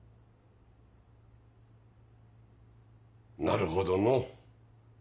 なるほどの。